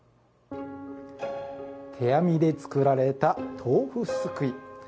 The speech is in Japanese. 手編みで作られた豆腐すくい。